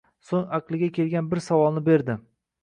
So'ng aqliga kelgan bir savolni berdi: